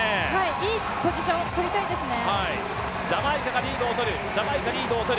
いいポジション取りたいですね。